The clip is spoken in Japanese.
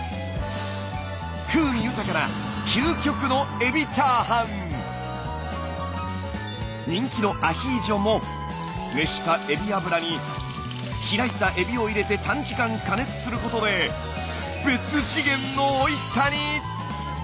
風味豊かな人気のアヒージョも熱したエビ油に開いたエビを入れて短時間加熱することで別次元のおいしさに！